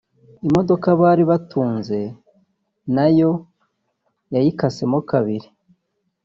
Imodoka bari batunze nayo yayikasemo kabiri